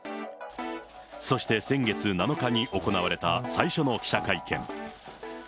そして先月７日に行われた最初の記者会見。